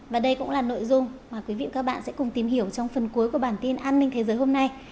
và đây cũng là nội dung mà quý vị và các bạn sẽ cùng tìm hiểu trong phần cuối của bản tin an ninh thế giới hôm nay